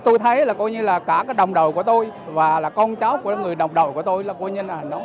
tôi thấy là cả đồng đội của tôi và con cháu của người đồng đội của tôi